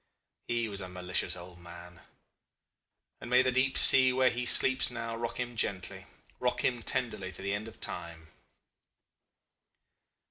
He was a malicious old man and may the deep sea where he sleeps now rock him gently, rock him tenderly to the end of time!